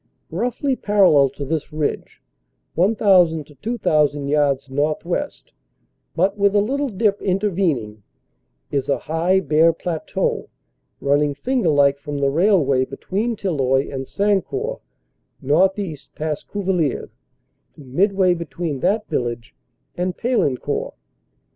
Roughly parallel to this ridge 1,000 to 2,000 yards northwest, but with a little dip intervening, is a high bare plateau running fmgerlike from the railway between Tilloy and Sancourt northeast past Cuvillers to midway between that village and Paillencourt.